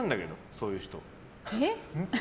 そういう人。